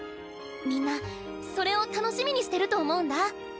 みんなそれを楽しみにしてると思うんだ。